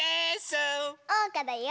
おうかだよ！